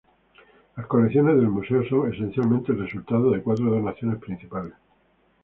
Las colecciones del museo son esencialmente el resultado de cuatro donaciones principales.